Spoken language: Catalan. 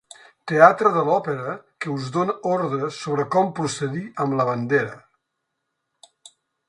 Teatre de l'òpera que us dóna ordres sobre com procedir amb la bandera.